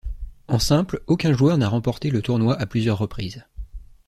En simple, aucun joueur n'a remporté le tournoi à plusieurs reprises.